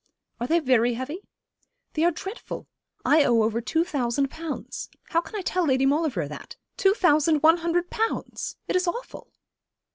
'Are they very heavy?' 'They are dreadful! I owe over two thousand pounds. How can I tell Lady Maulevrier that? Two thousand one hundred pounds! It is awful.'